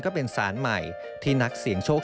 ก็เป็นสารใหม่ที่นักเสี่ยงโชค